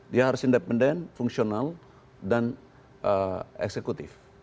dia harus independen fungsional dan eksekutif